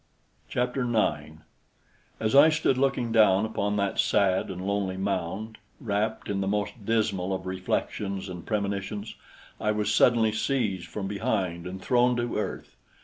Chapter 9 As I stood looking down upon that sad and lonely mound, wrapped in the most dismal of reflections and premonitions, I was suddenly seized from behind and thrown to earth.